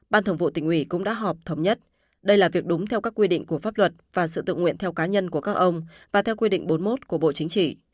ban thường vụ tỉnh ủy cũng đã họp thống nhất đây là việc đúng theo các quy định của pháp luật và sự tự nguyện theo cá nhân của các ông và theo quy định bốn mươi một của bộ chính trị